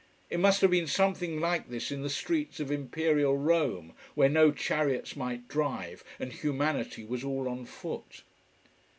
It must have been something like this in the streets of imperial Rome, where no chariots might drive and humanity was all on foot.